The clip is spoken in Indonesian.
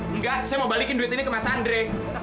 enggak saya mau balikin duit ini ke mas andre